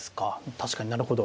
確かになるほど。